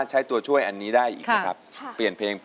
ท่านที่หนึ่งค่ะ